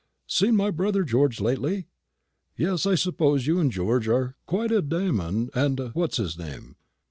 Seen my brother George lately? Yes, I suppose you and George are quite a Damon and What's his name.